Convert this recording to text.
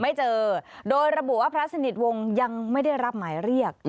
ไม่เจอโดยระบุว่าพระสนิทวงศ์ยังไม่ได้รับหมายเรียก